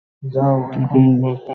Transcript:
আর তুমি base camp থেকে জানো।